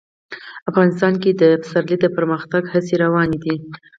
افغانستان کې د پسرلی د پرمختګ هڅې روانې دي.